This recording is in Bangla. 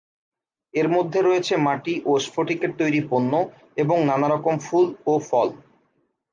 এর মধ্যে রয়েছে মাটি ও স্ফটিকের তৈরি পণ্য এবং নানারকম ফুল ও ফল।